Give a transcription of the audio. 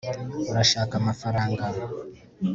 urashaka amafaranga